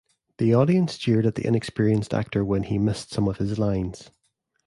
The audience jeered at the inexperienced actor when he missed some of his lines.